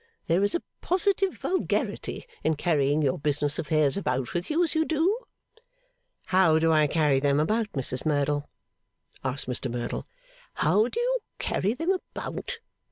There is a positive vulgarity in carrying your business affairs about with you as you do.' 'How do I carry them about, Mrs Merdle?' asked Mr Merdle. 'How do you carry them about?